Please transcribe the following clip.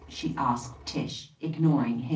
she asked Tish, ignor ing him.